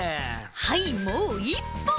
はいもう１ぽん。